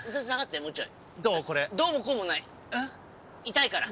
痛いから！